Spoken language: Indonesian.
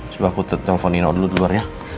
coba aku telpon nino dulu luar ya